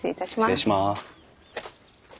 失礼します。